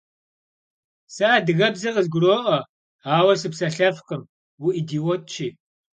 Se adıgebze khızguro'ue, aue sıpselhefkhım.